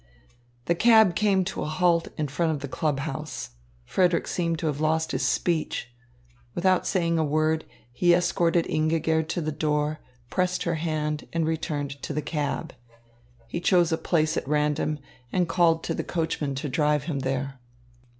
The cab came to a halt in front of the club house. Frederick seemed to have lost his speech. Without saying a word, he escorted Ingigerd to the door, pressed her hand, and returned to the cab. He chose a place at random, and called to the coachman to drive him there.